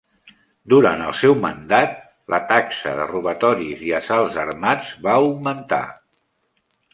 Durant el seu mandat, la taxa de robatoris i assalts armats va augmentar.